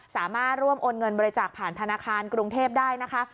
สามารถร่วมโอนเงินบริจาคผ่านธนาคารกรุงเทพได้นะคะ